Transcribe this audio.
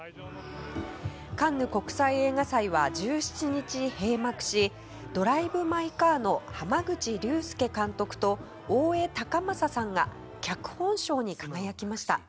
カンヌ映画祭は１７日閉幕し「ドライブ・マイ・カー」の濱口竜介監督と大江崇允さんが脚本賞に輝きました。